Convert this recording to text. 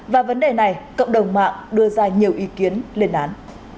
và vấn đề này cộng đồng mạng đưa ra nhiều ý kiến lên án